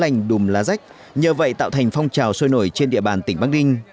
cùng lá rách nhờ vậy tạo thành phong trào sôi nổi trên địa bàn tỉnh bắc ninh